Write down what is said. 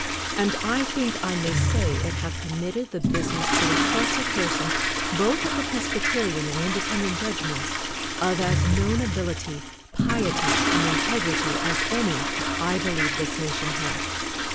And I think I may say it hath committed the business to the trust of persons, both of the Presbyterian and Indepen dent judgments, of as known ability, piety, and integrity as any, I believe this nation hath.